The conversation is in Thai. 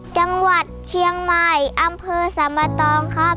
จังหวัดเชียงใหม่อำเภอสามะตองครับ